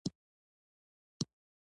د خبریالۍ د اصولو زدهکړه ډېره مهمه ده.